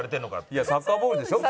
いやサッカーボールでしょ？